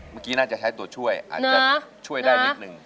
เมื่อกี้น่าจะใช้ตัวช่วยอาจจะช่วยได้นิดนึง